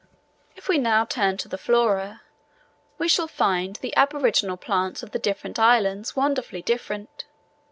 If we now turn to the Flora, we shall find the aboriginal plants of the different islands wonderfully different.